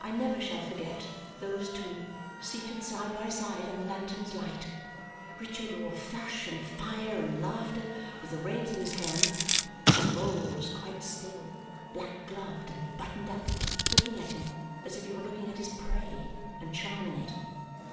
I never shall forget those two seated side by side in the lantern's light, Richard all flush and fire and laughter, with the reins in his hand; Mr. Vholes quite still, black gloved, and buttoned up, looking at him as if he were looking at his prey and charming it.